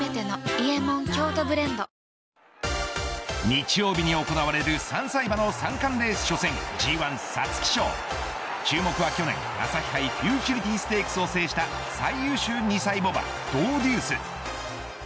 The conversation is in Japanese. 日曜日に行われる３歳馬の３冠レース初戦Ｇ１皐月賞注目は去年朝日杯フューチュリティ・ステークスを制した最優秀２歳牡馬ドウデュース。